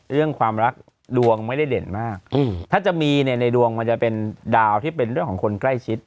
เรื่องความรักดวงไม่ได้เด่นมากถ้าจะมีเนี่ยในดวงมันจะเป็นดาวที่เป็นเรื่องของคนใกล้ชิด